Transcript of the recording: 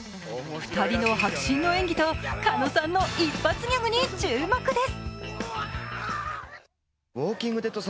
２人の迫真の演技と狩野さんの一発逆に注目です。